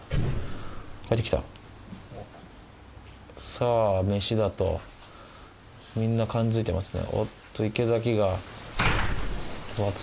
さぁ飯だ！とみんな感づいてますね。